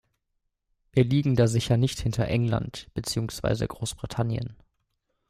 Wir liegen da sicher nicht hinter England, beziehungsweise Großbritannien.